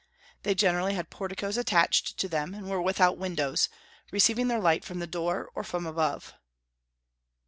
They generally had porticos attached to them, and were without windows, receiving their light from the door or from above.